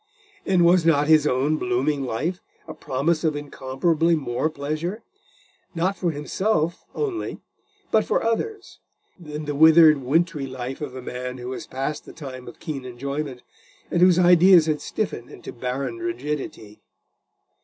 And was not his own blooming life a promise of incomparably more pleasure, not for himself only, but for others, than the withered wintry life of a man who was past the time of keen enjoyment, and whose ideas had stiffened into barren rigidity?